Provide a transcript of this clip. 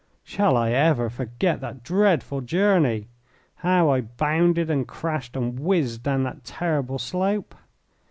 Shall I ever forget that dreadful journey how I bounded and crashed and whizzed down that terrible slope?